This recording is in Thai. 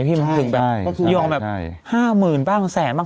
ใช่มันคือยอมแบบ๕หมื่นบ้างแสนบ้าง